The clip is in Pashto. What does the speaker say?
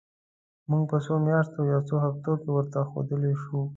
موږ په څو میاشتو یا څو هفتو کې ورته ښودلای شو.